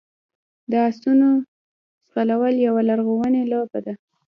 د اسونو ځغلول یوه لرغونې لوبه ده.